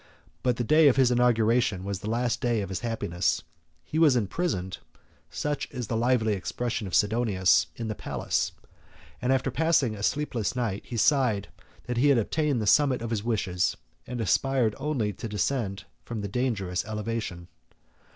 But the day of his inauguration was the last day of his happiness. He was imprisoned (such is the lively expression of Sidonius) in the palace; and after passing a sleepless night, he sighed that he had attained the summit of his wishes, and aspired only to descend from the dangerous elevation.